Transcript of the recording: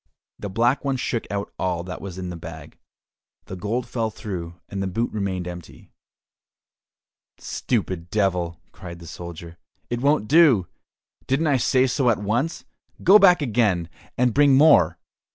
The Black One shook out all that was in the bag; the gold fell through, and the boot remained empty. "Stupid Devil," cried the soldier, "it won't do! Didn't I say so at once? Go back again, and bring more."